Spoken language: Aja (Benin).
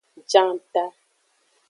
Janta.